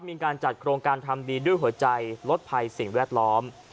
มีการจัดโครงการทำดีด้วยหัวใจลดภัยสิ่งแวดล้อม